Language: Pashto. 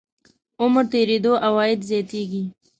عمر تېرېدو عواید زیاتېږي.